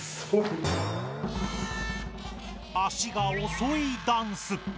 足がおそいダンス。